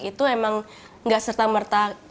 itu emang gak serta merta